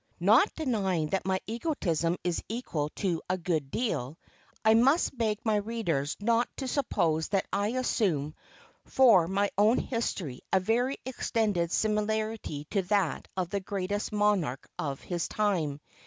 Not denying that my egotism is equal to a good deal, I must beg my readers not to suppose that I assume for my own history a very extended similarity to that of the greatest monarch of his time.